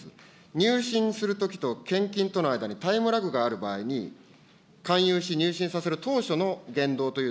入信するときと献金との間にタイムラグがある場合に、勧誘し、入信させる当初の言動という、